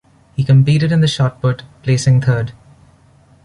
He competed in the shot put, placing third.